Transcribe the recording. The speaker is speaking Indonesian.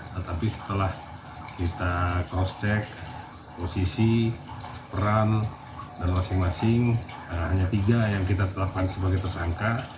tetapi setelah kita cross check posisi peran dan masing masing hanya tiga yang kita tetapkan sebagai tersangka